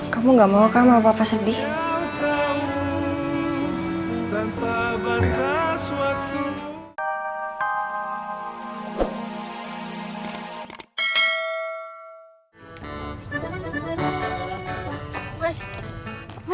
kamu gak mau ke sama bapak sedih